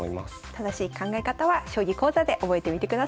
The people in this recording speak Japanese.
正しい考え方は将棋講座で覚えてみてください。